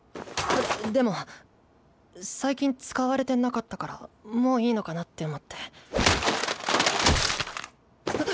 ででも最近使われてなかったからもういいのかなって思ってはっ！